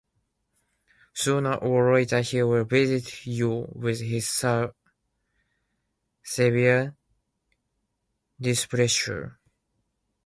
Sooner or later he will visit you with his severe displeasure.